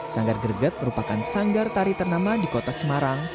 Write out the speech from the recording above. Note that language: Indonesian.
sanggar greget merupakan sanggar tari ternama di kota semarang